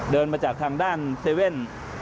เดินมาจากทางด้าน๗๑๑